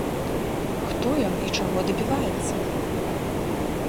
Хто ён і чаго дабіваецца?